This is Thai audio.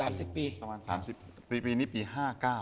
สามสิบปีสามสิบปีปีปีนี้ปีห้าเก้านะ